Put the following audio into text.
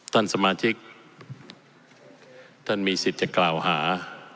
ท่านสมาชิกท่านมีสิทธิ์จะกล่าวหา